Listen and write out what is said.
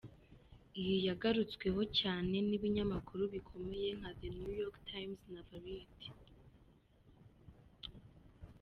Iyi yagarutsweho cyane n’ibinyamakuru bikomeye nka the NewYork Times na Variety.